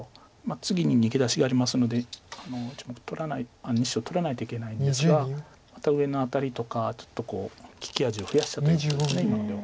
次に逃げ出しがありますので２子を取らないといけないんですがまた上のアタリとかちょっと利き味を増やしちゃったりするんです今のでは。